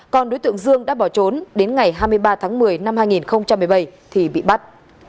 còn đối tượng dương đã bỏ trốn đến ngày hai mươi ba tháng một mươi năm hai nghìn một mươi bảy thì bị bắt